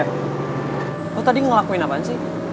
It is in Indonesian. eh lo tadi ngelakuin apaan sih